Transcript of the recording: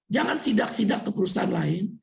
jangan sidak sidak ke perusahaan lain